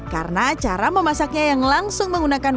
karena cara memasaknya yang langsung menggunakan